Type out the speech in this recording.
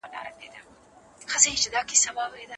مقاومت مې د بریا او ناهیلۍ ترمنځ یوازینی پل و.